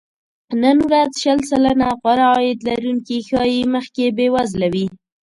نن ورځ شل سلنه غوره عاید لرونکي ښايي مخکې بې وزله وي